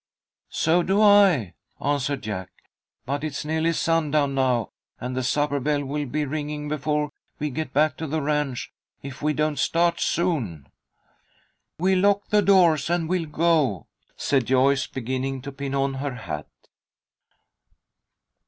"So do I," answered Jack. "But it's nearly sundown now, and the supper bell will be ringing before we get back to the ranch, if we don't start soon." "Well, lock the doors, and we'll go," said Joyce, beginning to pin on her hat.